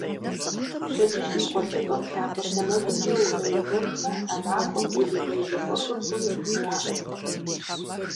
Пщэдджыжьым гъуэлъыпӀэм лъакъуэ сэмэгумкӀэ укъеувэхмэ, а махуэм узыхуежьэ Ӏуэхур хъунукъым, жаӀэрт.